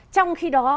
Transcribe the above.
trong khi đó